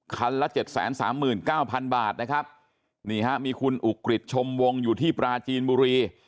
คันละ๗๓๙๐๐๐บาทนะครับมีมีคุณอุกฤษชมวงอยู่ที่ปราจีนบุรี